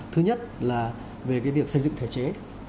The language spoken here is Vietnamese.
thứ nhất là về việc xây dựng thể chế